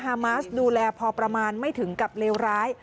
มาสดูแลพอประมาณไม่ถึงกับเลวร้าย